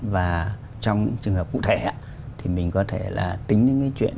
và trong trường hợp cụ thể thì mình có thể là tính đến cái chuyện